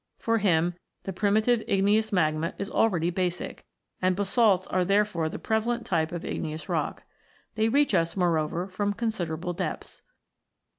For him, the primitive igneous magma is already basic, and basalts are therefore the prevalent type of igneous rock. They reach us, moreover, from considerable depths.